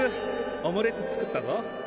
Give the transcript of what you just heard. オムレツ作ったぞ。